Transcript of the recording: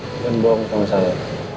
bukan bawa aku sama sama